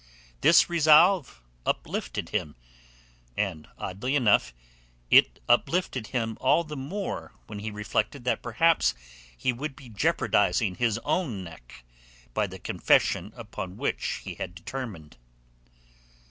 This resolve uplifted him, and oddly enough it uplifted him all the more when he reflected that perhaps he would be jeopardizing his own neck by the confession upon which he had determined.